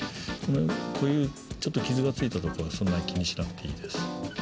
こういうちょっと傷がついたところはそんなに気にしなくていいです。